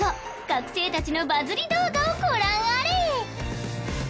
学生達のバズリ動画をご覧あれ！